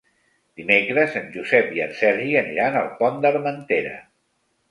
Dimecres en Josep i en Sergi aniran al Pont d'Armentera.